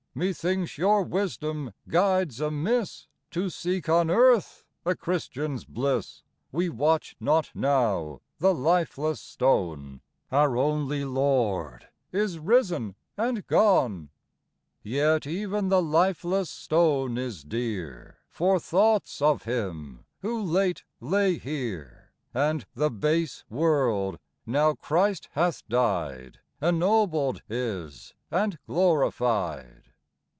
Methinks your wisdom guides amiss, To seek on earth a Christian's bliss ; We watch not now the lifeless stone : Our only Lord is risen and gone." Yet even the lifeless stone is dear For thoughts of Him who late lay here ; And the base world, now Christ hath died, Ennobled is and glorified.